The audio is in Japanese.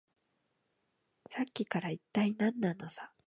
さっきから、いったい何なのさ。